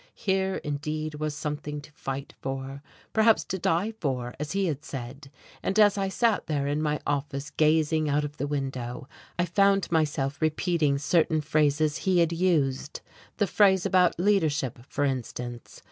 Here indeed was something to fight for perhaps to die for, as he had said: and as I sat there in my office gazing out of the window I found myself repeating certain phrases he had used the phrase about leadership, for instance.